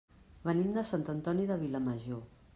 Venim de Sant Antoni de Vilamajor.